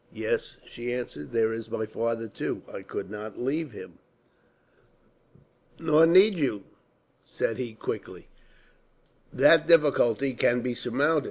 "Yes," she answered, "there is my father too. I could not leave him." "Nor need you," said he, quickly. "That difficulty can be surmounted.